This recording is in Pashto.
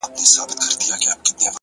وخت د ژمنتیا تله ده،